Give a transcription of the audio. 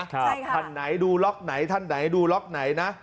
ท่านไหนดูล็อกไหนท่านไหนดูล็อกไหนนะ